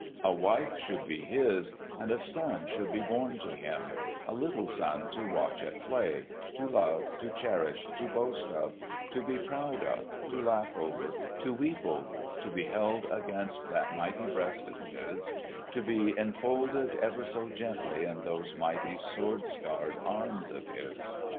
A wife should be his, and a son should be born to him—a little son to watch at play, to love, to cherish, to boast of, to be proud of, to laugh over, to weep over, to be held against that mighty breast of his, to be enfolded ever so gently in those mighty sword scarred arms of his.